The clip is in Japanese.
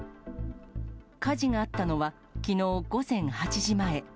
火事があったのは、きのう午前８時前。